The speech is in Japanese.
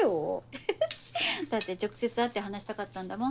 ウフフだって直接会って話したかったんだもん。